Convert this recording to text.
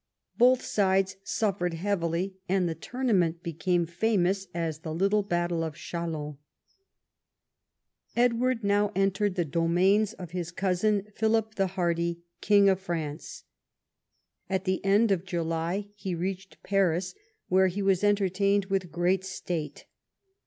Both sides suffered heavily, and the tournament became famous as the Little Battle of Chalon. Edward now entered the domains of his cousin, Philip the Hardy, King of France. At the end of July he reached Paris, where he was entertained with great state.